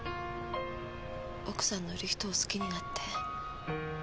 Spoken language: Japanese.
奥さんのいる人を好きになって。